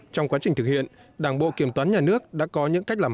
trong quá trình thực hiện đảng bộ kiểm toán nhà nước đã có những cách làm